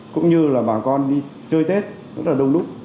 cũng như là bà con đi chơi tết rất là đông đúc